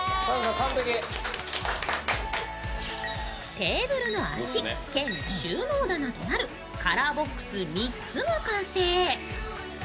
テーブルの脚兼収納棚となるカラーボックス３つが完成。